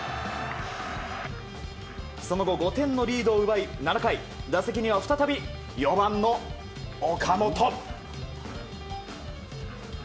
その後５点のリードを奪い７回、打席には再び４番の岡本。